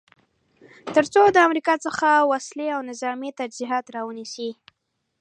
تر څو د امریکا څخه وسلې او نظامې تجهیزات را ونیسي.